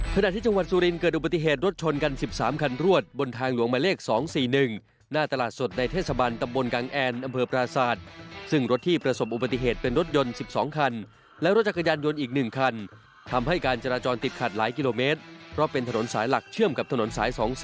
ขณะที่จังหวัดสุรินเกิดอุบัติเหตุรถชนกัน๑๓คันรวดบนทางหลวงหมายเลข๒๔๑หน้าตลาดสดในเทศบันตำบลกังแอนอำเภอปราศาสตร์ซึ่งรถที่ประสบอุบัติเหตุเป็นรถยนต์๑๒คันและรถจักรยานยนต์อีก๑คันทำให้การจราจรติดขัดหลายกิโลเมตรเพราะเป็นถนนสายหลักเชื่อมกับถนนสาย๒๔